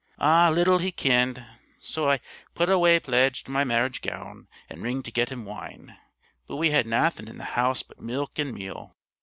Ah! little he kenned. So I put awa (pledged) my marriage gown and ring to get him wine; but we had naething in the house but milk and meal.